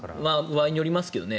場合によりますけどね。